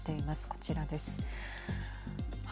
こちらです。